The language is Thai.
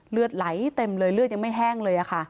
เลือดไหลเต็มเลยเลือดยังไม่แห้งเลยค่ะ